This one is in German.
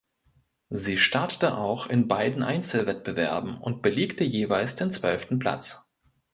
Sie startete auch in beiden Einzelwettbewerben und belegte jeweils den zwölften Platz.